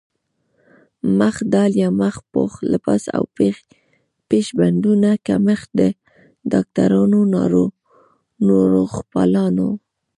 مخ ډال يا مخ پوښ، لباس او پيش بندونو کمښت د ډاکټرانو، ناروغپالانو